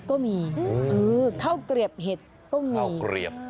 ก็มีข้าวเกรียบเห็ดก็มี